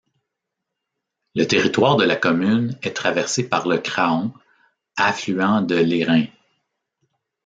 Le territoire de la commune est traversé par le Craon, affluent de l'Airain.